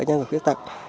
những người khuyết tật